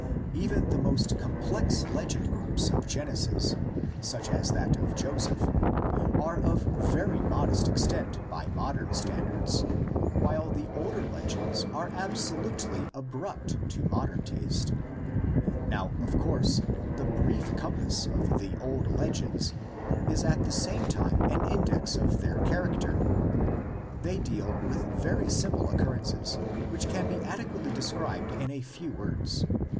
Even the most complex legend groups of Genesis, such as that of Joseph, are of very modest extent by modern standards, while the older legends are absolutely abrupt to modern taste. Now, of course, the brief compass of the old legends is at the same time an index of LITERARY FORM OF THE LEGENDS. 47 their character. They deal with very simple occur rences which can be adequately described in a few words.